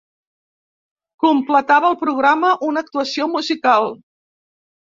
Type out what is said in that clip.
Completava el programa una actuació musical.